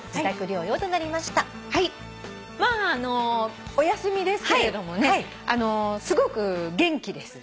まあお休みですけれどもねすごく元気です。